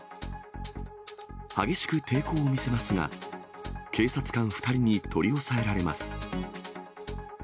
激しく抵抗を見せますが、警察官２人に取り押さえられます。